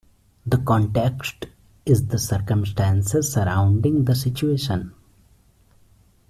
The context is the circumstances surrounding the situation.